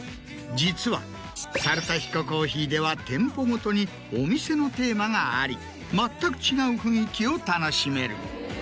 実は猿田彦珈琲では店舗ごとにお店のテーマがあり全く違う雰囲気を楽しめる。